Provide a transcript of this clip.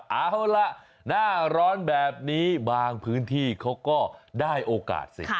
เอาล่ะหน้าร้อนแบบนี้บางพื้นที่เขาก็ได้โอกาสสิ